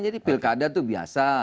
jadi pilkada itu biasa